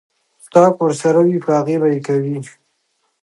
سټاک ورسره وي پۀ هغې به يې کوي ـ